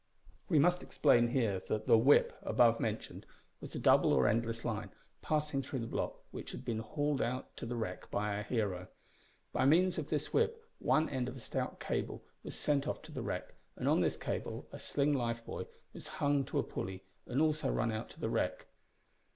We must explain here that the "whip" above mentioned was a double or endless line, passing through the block which had been hauled out to the wreck by our hero. By means of this whip one end of a stout cable was sent off to the wreck, and on this cable a sling lifebuoy was hung to a pulley and also run out to the wreck.